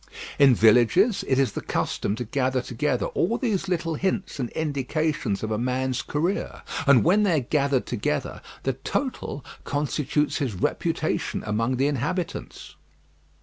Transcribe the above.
In villages it is the custom to gather together all these little hints and indications of a man's career; and when they are gathered together, the total constitutes his reputation among the inhabitants.